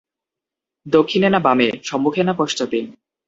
দক্ষিণে না বামে, সম্মুখে না পশ্চাতে?